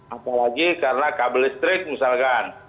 apalagi karena kabel listrik misalkan